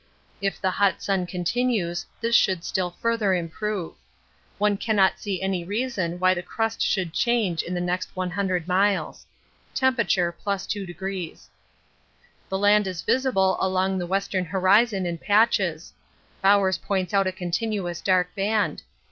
If the hot sun continues this should still further improve. One cannot see any reason why the crust should change in the next 100 miles. (Temp. + 2°.) The land is visible along the western horizon in patches. Bowers points out a continuous dark band.